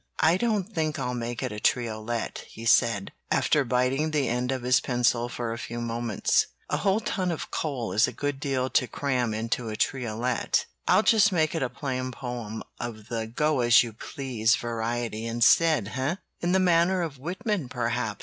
"I don't think I'll make it a triolet," he said, after biting the end of his pencil for a few moments. "A whole ton is a good deal to cram into a triolet. I'll just make it a plain poem of the go as you please variety instead, eh?" "In the manner of Whitman, perhaps?"